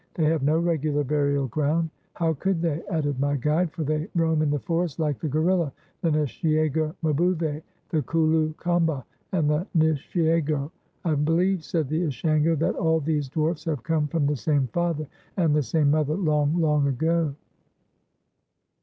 They have no regular burial ground. How could they?" added my guide; "for they roam in the forest hke the gorilla, the nshiego mbouve, the kooloo kamba, and the nshiego. I believe," said the Ashango, "that all these dwarfs have come from the same father and the same mother long, long ago."